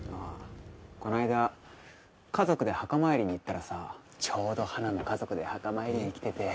この間家族で墓参りに行ったらさちょうど華も家族で墓参りに来てて。